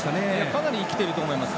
かなり生きていると思います。